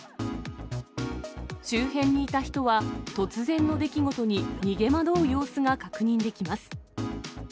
周辺にいた人は、突然の出来事に逃げ惑う様子が確認できます。